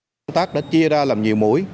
tổ công tác đã chia ra làm nhiều mũi